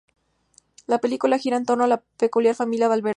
La película gira en torno a la peculiar familia Valverde.